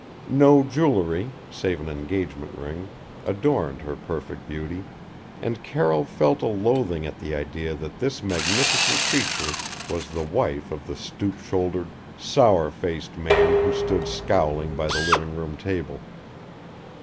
No jewelry, save an engagement ring, adorned her perfect beauty, and Carroll felt a loathing at the idea that this magnificent creature was the wife of the stoop shouldered, sour faced man who stood scowling by the living room table.